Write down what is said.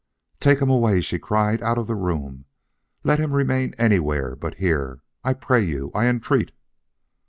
"Take him away!" she cried. "Out of the room! Let him remain anywhere but here. I pray you; I entreat."